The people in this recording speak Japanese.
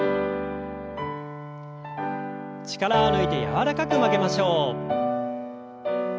力を抜いて柔らかく曲げましょう。